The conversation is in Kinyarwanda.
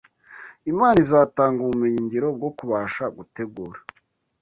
Imana izatanga ubumenyi ngiro bwo kubasha gutegura